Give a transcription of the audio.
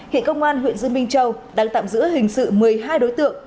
hiện công an huyện dương minh châu đang tạm giữ hình sự một mươi hai đối tượng